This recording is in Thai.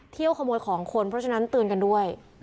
เที่ยวขโมยของคนเพราะฉะนั้นตื่นกันด้วย